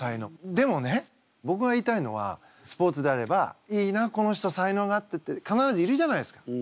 でもねぼくが言いたいのはスポーツであれば「いいなこの人才能があって」って必ずいるじゃないですか。